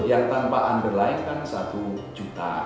maka yang tanpa underline adalah satu juta